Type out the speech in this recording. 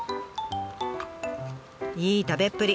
いい食べっぷり！